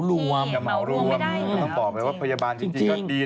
อย่าเหมารวมไม่ได้อีกแล้วจริงต้องตอบแบบว่าพยาบาลจริงก็ดีนะ